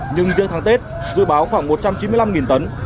nhưng riêng tháng tết dự báo khoảng một trăm chín mươi năm tấn